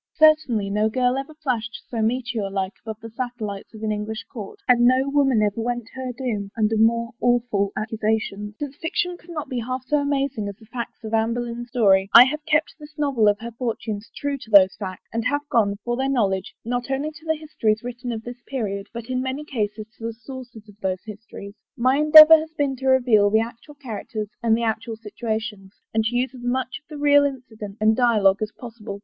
Certainly no girl ever flashed so meteor like above the satellites of an English court, and no woman ever went to her doom under more awful accusations. Since fiction could not be half so amazing as the facts of Anne Boleyn's story, I have kept this novel of her fortunes true to those facts, and have gone, for their knowledge, not only to the histories written of this pe riod, but in many cases to the sources of those histories. My endeavor has been to reveal the actual characters and the actual situations, and to use as much of the real incident and dialogue as possible.